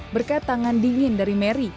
berkat tangan dingin dari mary